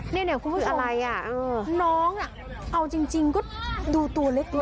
นี่คุณผู้ชมน้องเอาจริงก็ดูตัวเล็ก